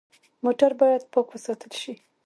موټر باید پاک وساتل شي.